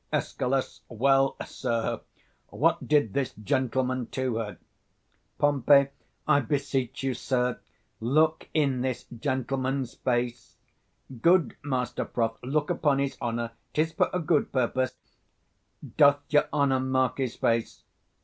Escal. Well, sir; what did this gentleman to her? Pom. I beseech you, sir, look in this gentleman's face. 140 Good Master Froth, look upon his honour; 'tis for a good purpose. Doth your honour mark his face?